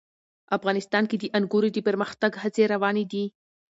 افغانستان کې د انګورو د پرمختګ هڅې روانې دي.